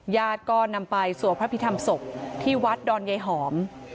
ญาติก็นำไปสวดพระพิธรรมศพที่วัดดอนยายหอม